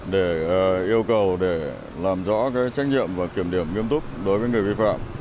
để yêu cầu để làm rõ trách nhiệm và kiểm điểm nghiêm túc đối với người vi phạm